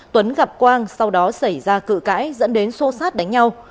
tuấn gặp quang sau đó xảy ra cự cãi dẫn đến xô xát đánh nhau